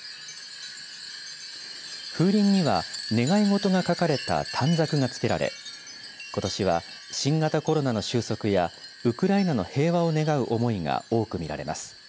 風鈴には願いごとが書かれた短冊が付けられことしは新型コロナの終息やウクライナの平和を願う思いが多く見られます。